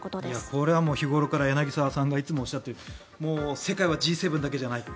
これは日頃から柳澤さんがいつもおっしゃっている世界はＧ７だけじゃない。